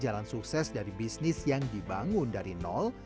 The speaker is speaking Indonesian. jalan sukses dari bisnis yang dibangun dari nol